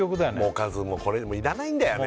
おかずもこれでもう要らないんだよね